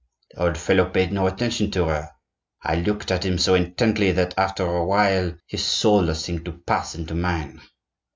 The old fellow paid no attention to her. I looked at him so intently that, after a while, his soul seemed to pass into mine.